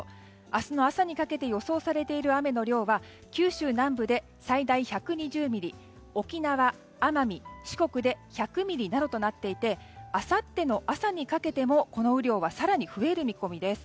明日の朝にかけて予想されている雨の量は九州南部で最大１２０ミリ沖縄、奄美、四国で１００ミリなどとなっていてあさっての朝にかけてもこの雨量は更に増える見込みです。